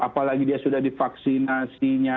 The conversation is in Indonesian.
apalagi dia sudah divaksinasinya